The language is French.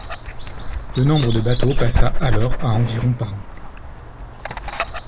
Le nombre de bateaux passa alors à environ par an.